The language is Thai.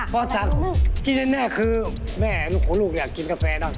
พอตัดที่แน่คือแม่ลูกของลูกอยากกินกาแฟนะ